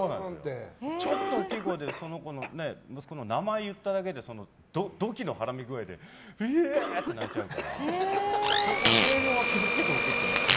ちょっと大きい声で息子の名前言っただけで怒気のはらみ具合でイヤーって泣いちゃうから声量は気を付けて怒ってます。